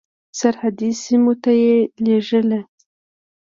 سرحدي سیمو ته یې لېږل.